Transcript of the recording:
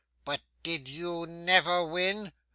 'But did you never win?